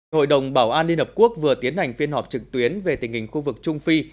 hội đồng bảo an liên hợp quốc vừa tiến hành phiên họp trực tuyến về tình hình khu vực trung phi